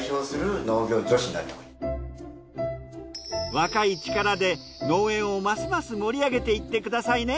若い力で農園をますます盛り上げていってくださいね。